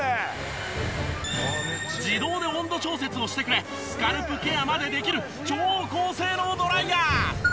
自動で温度調節をしてくれスカルプケアまでできる超高性能ドライヤー。